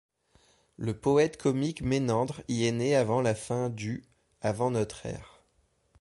Le poète comique Ménandre y est né à la fin du avant notre ère.